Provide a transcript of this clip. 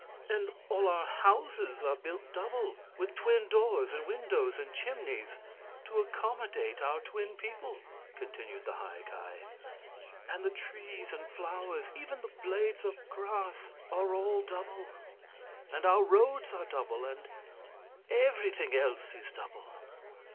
"And all our houses are built double, with twin doors and windows and chimneys, to accommodate our twin people," continued the High Ki. "And the trees and flowers and even the blades of grass are all double. And our roads are double, and and everything else is double.